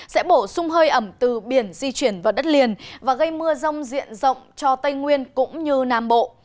sẽ bổ sung hơi ẩm từ biển di chuyển vào đất liền và gây mưa rông diện rộng cho tây nguyên cũng như nam bộ